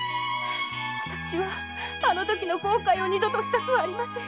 私はあのときの後悔を二度としたくありません。